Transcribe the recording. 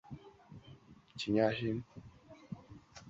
英德羊蹄甲为豆科羊蹄甲属下的一个变种。